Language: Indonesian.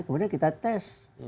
kemudian kita tes